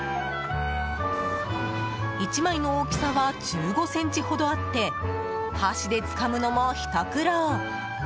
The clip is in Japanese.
１枚の大きさは１５ｃｍほどあって箸でつかむのも、ひと苦労。